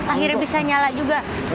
akhirnya bisa nyala juga